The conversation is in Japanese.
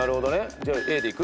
じゃあＡでいく？